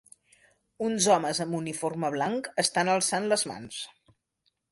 Uns homes amb uniforme blanc estan alçant les mans.